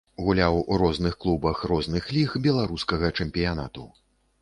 Гуляў у розных клубах розных ліг беларускага чэмпіянату.